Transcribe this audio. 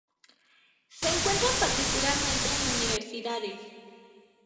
Se encuentran particularmente en universidades.